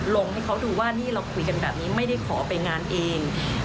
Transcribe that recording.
ลงให้เขาดูว่านี่เราคุยกันแบบนี้ไม่ได้ขอไปงานเอง